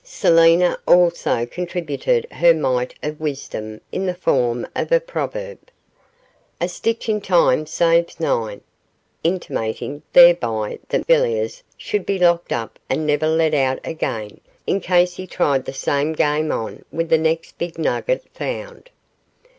Selina also contributed her mite of wisdom in the form of a proverb: 'A stitch in time saves nine,' intimating thereby that Mr Villiers should be locked up and never let out again, in case he tried the same game on with the next big nugget found.